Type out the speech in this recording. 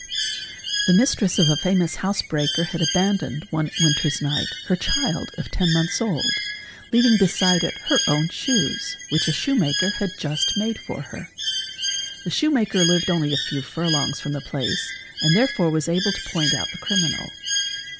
The mistress of a famous house breaker had abandoned, one winter's y: night, her child of ten months old, leaving beside it her own shoes which _ a@shoe maker had just made for her. The shoe maker lived only a few furlongs from the place and therefore was able to point out the criminal.